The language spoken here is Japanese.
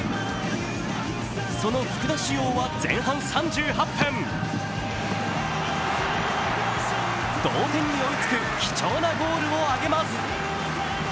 その福田師王は前半３８分、同点に追いつく貴重なゴールを挙げます。